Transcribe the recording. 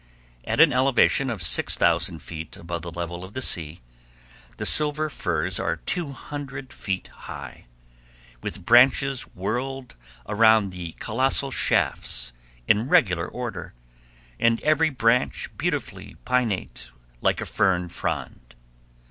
At an elevation of 6000 feet above the level of the sea the silver firs are 200 feet high, with branches whorled around the colossal shafts in regular order, and every branch beautifully pinnate like a fern frond.